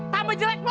tambah jelek lo